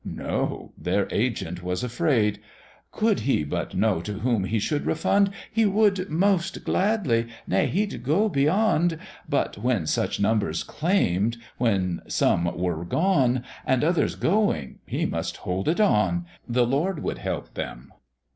No, their agent was afraid: "Could he but know to whom he should refund He would most gladly nay, he'd go beyond; But when such numbers claim'd, when some were gone. And others going he must hold it on; The Lord would help them."